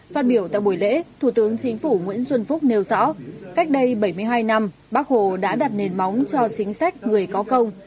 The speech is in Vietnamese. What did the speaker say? phát biểu tại buổi lễ thủ tướng chính phủ nguyễn xuân phúc nêu rõ cách đây bảy mươi hai năm bác hồ đã đặt nền móng cho chính sách người có công